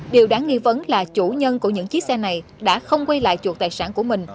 điều đáng nghi vấn là chủ nhân của những chiếc xe này đã không quay lại chuột tài sản của mình